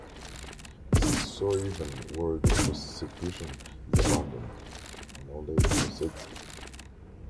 This is so even where the prosecution is abandoned "nolle prosequi".